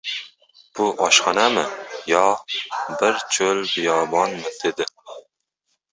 Bu oshxonami, yo, bir cho‘l-biyobonmi? — dedi.